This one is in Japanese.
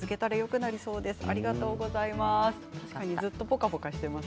ありがとうございます。